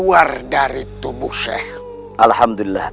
saya diajak ke rumah pilehan